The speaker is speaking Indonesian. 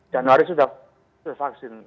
januari sudah vaksin